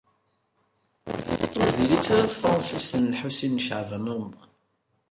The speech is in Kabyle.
Ur diri-tt ara tefransist n Lḥusin n Caɛban u Ṛemḍan.